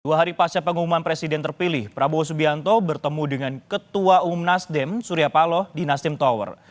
dua hari pasca pengumuman presiden terpilih prabowo subianto bertemu dengan ketua umum nasdem surya paloh di nasdem tower